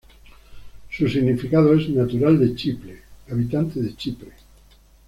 Su significado es "natural de Chipre, habitante de Chipre".